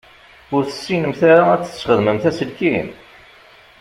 Ur tessinemt ara ad tesxedmemt aselkim?